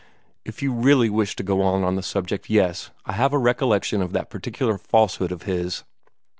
"If you really wish to go on with the subject yes I have a recollection of that particular falsehood of his."